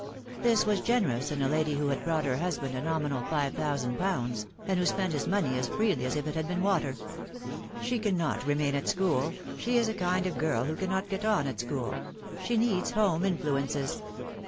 This was generous in a lady who had brought her husband a nominal five thousand pounds, and who spent bis money as freely as if it had been water. 10 The Fatal Thru. " She cannot remain at school. She is a kind of girl who cannot get on at school. She needs home influences."